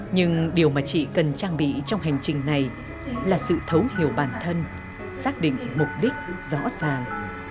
nhưng điều mà chị cần trang bị trong hành trình này là sự thấu hiểu bản thân xác định mục đích rõ ràng